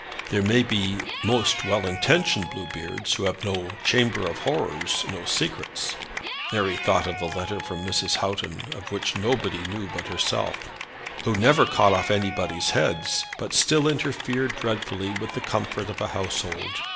There may be most well intentioned Bluebeards, who have no chambers of horrors, no secrets," Mary thought of the letter from Mrs. Houghton, of which nobody knew but herself, "who never cut off anybody's heads, but still interfere dreadfully with the comfort of a household.